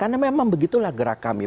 karena memang begitulah gerak kami